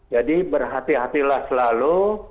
jadi berhati hatilah selalu